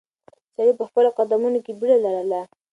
سړی په خپلو قدمونو کې بیړه لرله.